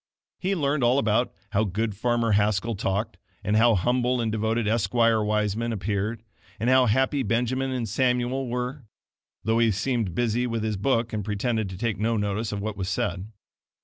He learned all about "how good farmer Haskell talked," and "how humble and devoted Esquire Wiseman appeared," and "how happy Benjamin and Samuel were"; though he seemed busy with his book and pretended to take no notice of what was said.